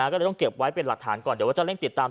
ก็เลยต้องเก็บไว้เป็นหลักฐานก่อนเดี๋ยวว่าจะเร่งติดตาม